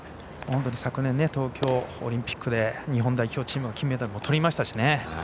本当に昨年東京オリンピックで日本代表チームが金メダルとりましたし。